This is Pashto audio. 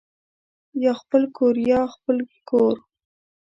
یا خپل کورریا خپل ګور